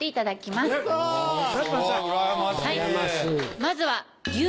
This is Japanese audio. まずは。